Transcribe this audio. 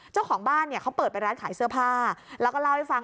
เจ้าของบ้านเนี่ยเขาเปิดไปร้านขายเสื้อผ้าแล้วก็เล่าให้ฟัง